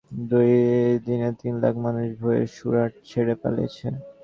দুই দিনে তিন লাখ মানুষ ভয়ে সুরাট ছেড়ে পালিয়েছে।